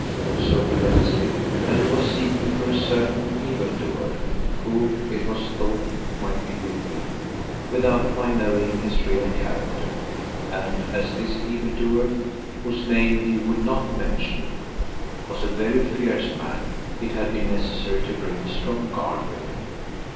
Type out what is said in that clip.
Also he let it slip that he was seeking for a certain "evil doer" who, it was thought, might be with me without my knowing his real character, and as this "evil doer," whose name he would not mention, was a very fierce man, it had been necessary to bring a strong guard with him.